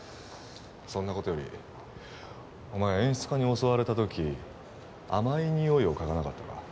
そんなことよりお前演出家に襲われた時甘い匂いを嗅がなかったか？